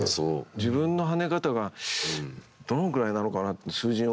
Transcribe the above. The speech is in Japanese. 自分の跳ね方がどのぐらいなのかなって数字に置き換えるって。